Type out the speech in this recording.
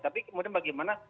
tapi kemudian bagaimana